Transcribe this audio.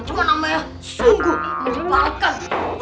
cuma namanya sungguh merupakan